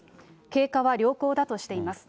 経過は良好だとしています。